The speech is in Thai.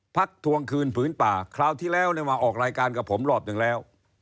ทวงคืนผืนป่าคราวที่แล้วมาออกรายการกับผมรอบหนึ่งแล้ว